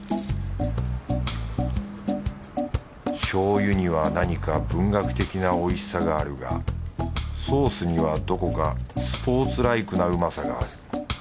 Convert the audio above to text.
醤油には何か文学的なおいしさがあるがソースにはどこかスポーツライクなうまさがある。